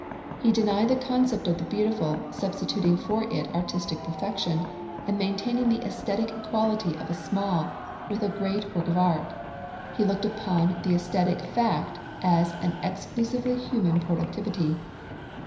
He denied the concept of the beautiful, substituting for it artistic perfection, and maintaining the aesthetic equality of a small with a great work of art, he looked upon the aesthetic fact as an exclusively human productivity.